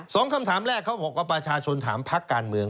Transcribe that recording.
สองคำถามแรกเขาบอกว่าประชาชนถามพักการเมือง